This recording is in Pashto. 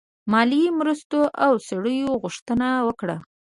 مالي مرستو او سړیو غوښتنه وکړه.